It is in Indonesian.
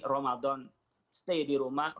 ramadan stay di rumah